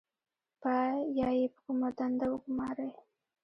یا یې په کومه دنده وګمارئ.